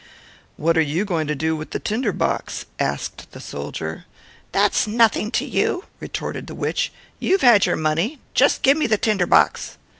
"What are you going to do with the tinder box?" asked the soldier. "That is nothing to you," replied the witch; "you have the money, now give me the tinder box."